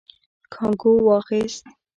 کانګو واخيست.